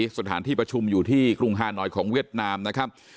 สถานที่ประชุมอยู่ที่กรุงฮานอยของเวียดนามนะครับ